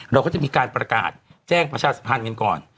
เราก็จะมีการประกาศแจ้งประชาสัมพันธ์กันก่อน